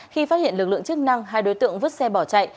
khi phát hiện lực lượng chức năng hai đối tượng vứt xe bỏ chạy